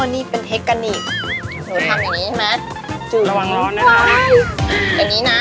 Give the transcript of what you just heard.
นี่เป็นเทคนิคหนูทำอย่างงี้ใช่ไหมจู่ระวังร้อนนะคะอย่างงี้นะ